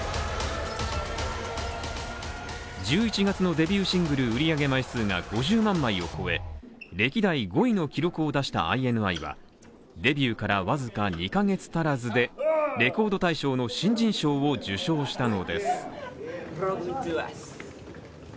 １１月のデビューシングル売上枚数が５０万枚を超え、歴代５位の記録を出したＩＮＩはデビューからわずか２ヶ月足らずでレコード大賞の新人賞を受賞したのです。